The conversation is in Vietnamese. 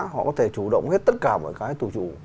họ có thể chủ động hết tất cả mọi cái tù chủ